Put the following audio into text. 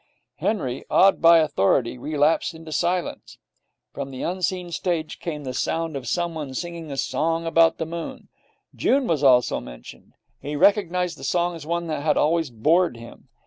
Henry, awed by authority, relapsed into silence. From the unseen stage came the sound of someone singing a song about the moon. June was also mentioned. He recognized the song as one that had always bored him.